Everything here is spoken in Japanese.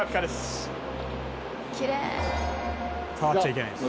「きれい」「触っちゃいけないです」